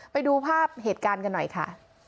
ไปดูภาพเหตุการณ์กันหน่อยค่ะ